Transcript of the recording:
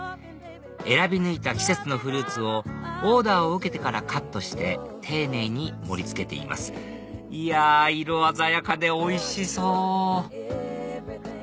選び抜いた季節のフルーツをオーダーを受けてからカットして丁寧に盛り付けていますいや色鮮やかでおいしそう！